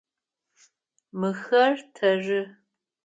Мыхэр тэры.